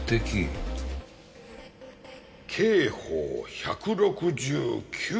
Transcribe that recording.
刑法１６９条。